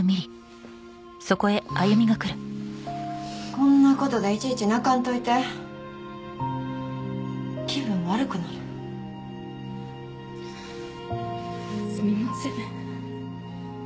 こんなことでいちいち泣かんといて気分悪くなるすみません